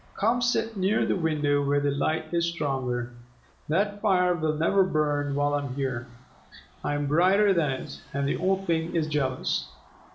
Come sit near the window where the light is stronger. That fire will never burn while I am here. I am brighter than it, and the old thing is jealous."